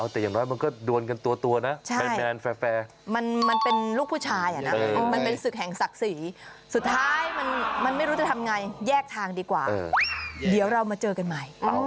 แต่อย่างน้อยมันก็โดนกันตัวนะแมนแฟร์มันเป็นลูกผู้ชายมันเป็นศึกแห่งศักดิ์ศรีสุดท้ายมันไม่รู้จะทำไงแยกทางดีกว่าเดี๋ยวเรามาเจอกันใหม่